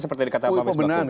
seperti yang dikatakan pak mis